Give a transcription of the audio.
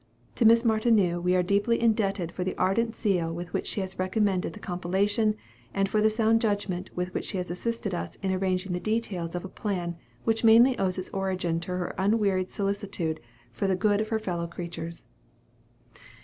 To Miss Martineau we are deeply indebted for the ardent zeal with which she has recommended the compilation, and for the sound judgment with which she has assisted us in arranging the details of a plan which mainly owes its origin to her unwearied solicitude for the good of her fellow creatures.